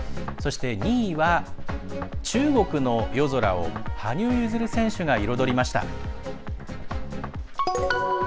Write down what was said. そして２位は中国の夜空を羽生結弦選手が彩りました。